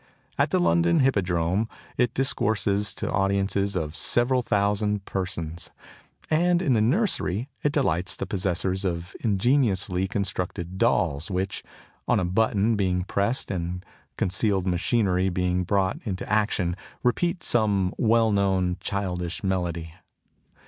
At the London Hippodrome it discourses to audiences of several thousand persons, and in the nursery it delights the possessors of ingeniously constructed dolls which, on a button being pressed and concealed machinery being brought into action, repeat some well known childish melody.